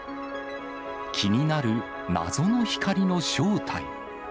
気になる謎の光の正体。